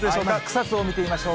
草津を見てみましょう。